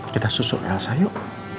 kita susul elsa yuk